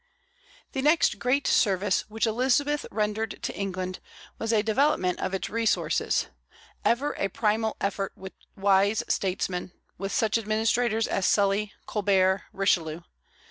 The next great service which Elizabeth rendered to England was a development of its resources, ever a primal effort with wise statesmen, with such administrators as Sully, Colbert, Richelieu.